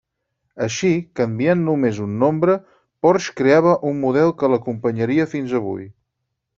Així, canviant només un nombre, Porsche creava un model que l'acompanyaria fins avui.